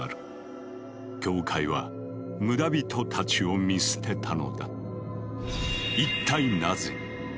教会は村人たちを見捨てたのだ。